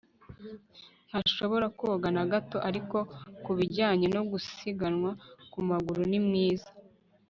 Ntashobora koga na gato ariko kubijyanye no gusiganwa ku maguru ni mwiza